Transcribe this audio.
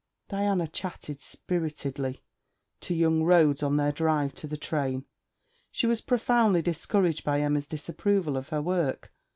Diana chatted spiritedly to young Rhodes on their drive to the train. She was profoundly discouraged by Emma's disapproval of her work.